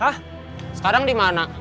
hah sekarang di mana